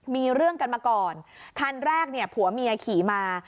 มีเรื่องกันมาก่อนคันแรกเนี่ยผัวเมียขี่มา